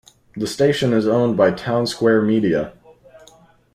The station is owned by Townsquare Media.